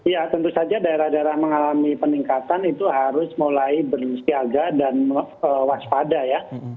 ya tentu saja daerah daerah mengalami peningkatan itu harus mulai bersiaga dan waspada ya